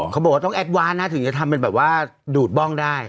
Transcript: เขาบอกว่าต้องแอดวานนะถึงจะทำเป็นแบบว่าดูดบ้องได้